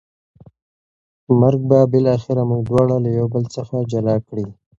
مرګ به بالاخره موږ دواړه له یو بل څخه جلا کړي.